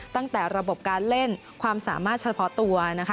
ตั้งแต่ระบบการเล่นความสามารถเฉพาะตัวนะคะ